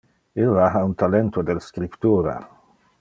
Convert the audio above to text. Illa ha un talento del scriptura.